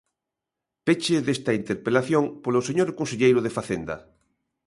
Peche desta interpelación polo señor conselleiro de Facenda.